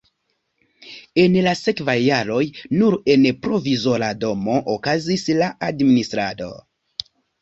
En la sekvaj jaroj nur en provizora domo okazis la administrado.